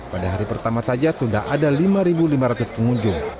pada hari pertama saja sudah ada lima lima ratus pengunjung